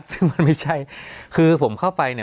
สวัสดีครับทุกผู้ชม